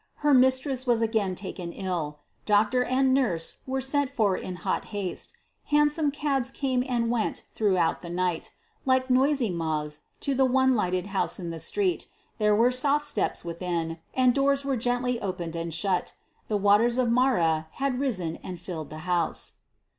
Her mistress was again taken ill. Doctor and nurse were sent for in hot haste; hansom cabs came and went throughout the night, like noisy moths to the one lighted house in the street; there were soft steps within, and doors were gently opened and shut. The waters of Mara had risen and filled the house.